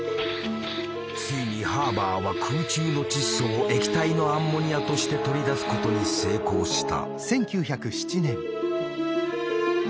ついにハーバーは空中の窒素を液体のアンモニアとして取り出すことに成功した。